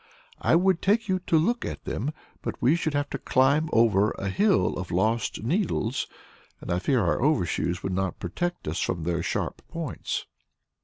"I would take you to look at them, but we should have to climb over a hill of lost needles, and I fear our overshoes would not protect us from their sharp points."